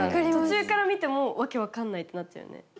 途中から見ても訳わかんないってなっちゃうよね。